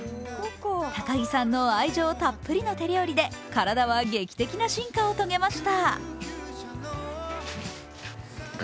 高木さんの愛情たっぷりの手料理で体は劇的な進化を遂げました。